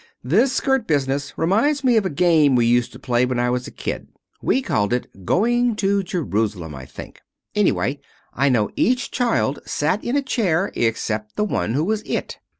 "This skirt business reminds me of a game we used to play when I was a kid. We called it Going to Jerusalem, I think. Anyway, I know each child sat in a chair except the one who was It.